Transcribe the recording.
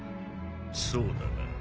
そうだな。